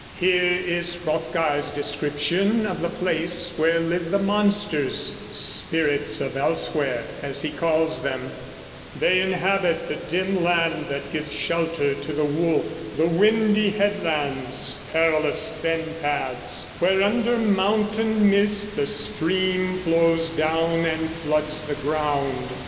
Here is Hrothgar's description of the place where live the monsters, "spirits of elsewhere," as he calls them: They inhabit The dim land that gives shelter to the wolf, The windy headlands, perilous fen paths, Where, under mountain mist, the stream flows down And floods the ground.